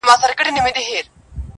غزل مي درلېږمه خوښوې یې او که نه -